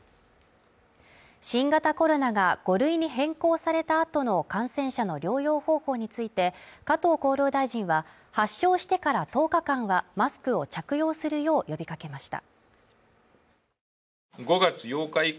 新型コロナが５類に変更された後の感染者の療養方法について加藤厚労大臣は、発症してから１０日間はマスクを着用するよう呼びかけました。